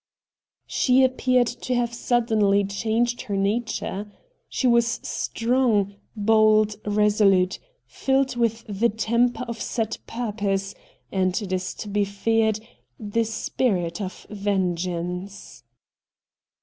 She appeared to have suddenly changed her nature. She was strong, bold, resolute — filled with the temper of set purpose, and, it is to be feared, the spirit of vengeance.